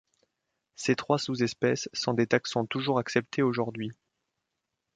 Ces trois sous-espèces sont des taxons toujours acceptés aujourd'hui.